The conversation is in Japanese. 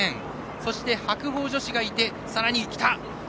そして、白鵬女子がいてさらに来ました。